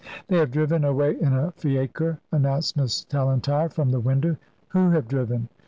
"They have driven away in a fiacre," announced Miss Tallentire, from the window. "Who have driven?"